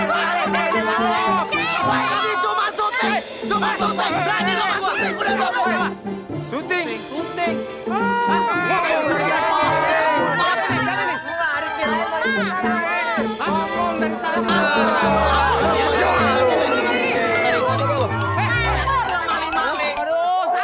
salah resolution menyocokkan darah sebenarnya